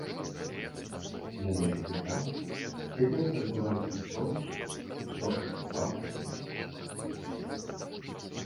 На вялікі жаль, цяпер адбываецца тое ж, што адбывалася заўсёды.